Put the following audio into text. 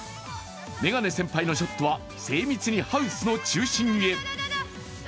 眼鏡先輩のショットは精密にハウスの中心へ。